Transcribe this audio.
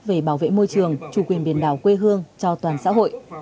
về bảo vệ môi trường chủ quyền biển đảo quê hương cho toàn xã hội